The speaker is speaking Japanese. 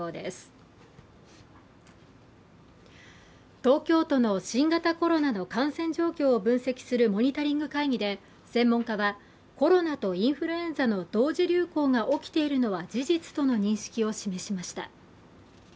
東京都の新型コロナの感染状況を分析するモニタリング会議で専門家はコロナとインフルエンザの同時流行が起きているのは事実との認識を示しました。